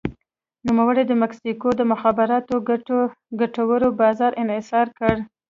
نوموړي د مکسیکو د مخابراتو ګټور بازار انحصار کړ.